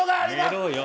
寝ろよ。